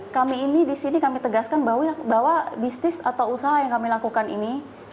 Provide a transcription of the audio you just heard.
kami ini di sini kami tegaskan bahwa bisnis atau usaha yang kami lakukan ini